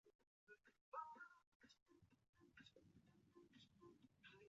濑见温泉车站是一个仅设有一座侧式月台一条乘车线的小型车站。